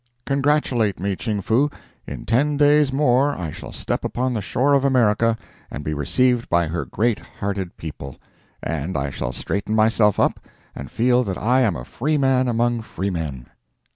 Congratulate me, Ching Foo In ten days more I shall step upon the shore of America, and be received by her great hearted people; and I shall straighten myself up and feel that I am a free man among freemen.